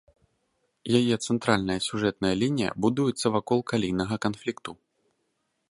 Яе цэнтральная сюжэтная лінія будуецца вакол калійнага канфлікту.